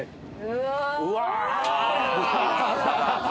うわ！